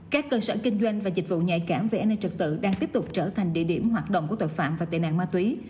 các cơ sở kinh doanh và dịch vụ nhạy cảm về an ninh trật tự đang tiếp tục trở thành địa điểm hoạt động của tội phạm và tệ nạn ma túy